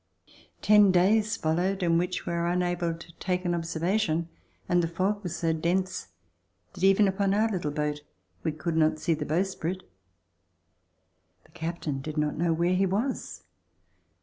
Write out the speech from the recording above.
Ten days followed in which we were unable to take an observation, and the fog was so dense that even upon our little boat we could not see the bowsprit. The captain did not know where he was.